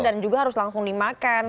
dan juga harus langsung dimakan